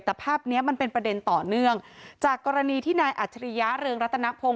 แต่ภาพเนี้ยมันเป็นประเด็นต่อเนื่องจากกรณีที่นายอัจฉริยะเรืองรัตนพงศ